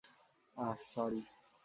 আহ, sorry.